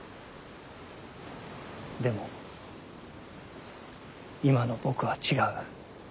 でも今の僕は違う。